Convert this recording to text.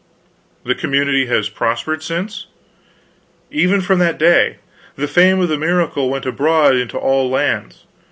"The community has prospered since?" "Even from that very day. The fame of the miracle went abroad into all lands.